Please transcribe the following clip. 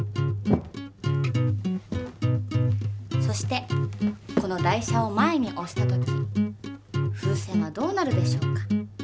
そしてこの台車を前におした時風船はどうなるでしょうか？